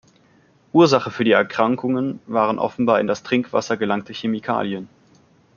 Ursache für die Erkrankungen waren offenbar in das Trinkwasser gelangte Chemikalien.